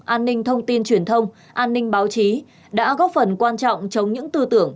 an ninh thông tin truyền thông an ninh báo chí đã góp phần quan trọng chống những tư tưởng